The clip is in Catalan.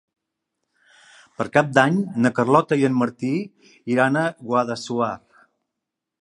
Per Cap d'Any na Carlota i en Martí iran a Guadassuar.